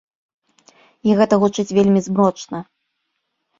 І гэта гучыць вельмі змрочна.